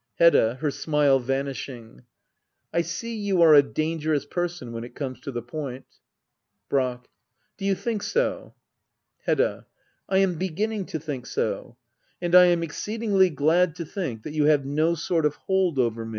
Hedda. [Her smile vanishing,] I see you are a dangerous person — when it comes to the point. Brack. Do you think so ? Hedda. I am beginning to think so. And I am exceed ingly glad to think — that you have no sort of hold over me.